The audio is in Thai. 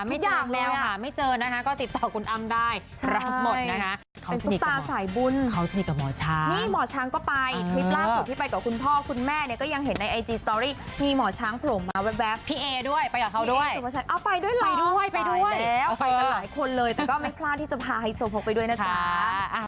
พี่เอด้วยไปกับเขาด้วยเอาไปด้วยหรอไปด้วยไปด้วยไปแล้วไปกันหลายคนเลยแต่ก็ไม่พลาดที่จะพาไฮโสภกไปด้วยนะจ๊ะค่ะอ่า